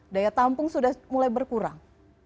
daya tampung sudah mulai berkurang